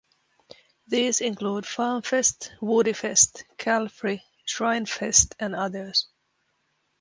These include FarmFest, WoodyFest, Calffry, Shrinefest, and others.